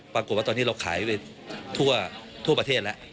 ปรากฏว่าตอนนี้เราขายไปทั่วประเทศแล้ว